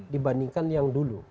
dibandingkan yang dulu